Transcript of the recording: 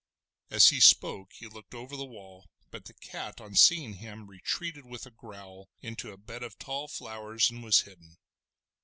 As he spoke he looked over the wall, but the cat on seeing him, retreated, with a growl, into a bed of tall flowers, and was hidden.